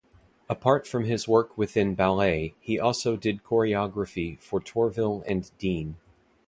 Apart from his work within ballet, he also did choreography for Torville and Dean.